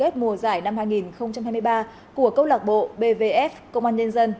chiều nay diễn ra lễ tổng kết mùa giải năm hai nghìn hai mươi ba của công lạc bộ bvf công an nhân dân